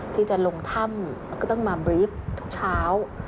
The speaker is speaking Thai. ที่จะลงถ้ำแล้วก็ต้องมาบรีฟทุกเช้า